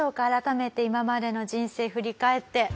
改めて今までの人生振り返って。